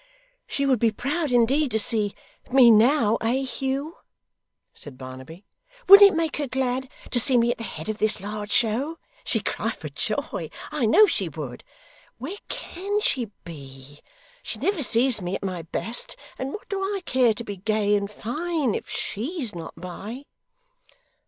'She would be proud indeed to see me now, eh Hugh?' said Barnaby. 'Wouldn't it make her glad to see me at the head of this large show? She'd cry for joy, I know she would. Where CAN she be? She never sees me at my best, and what do I care to be gay and fine if SHE'S not by?